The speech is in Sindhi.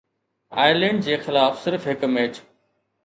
آئرلينڊ جي خلاف صرف هڪ ميچ